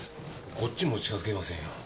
こっちも近づけませんよ。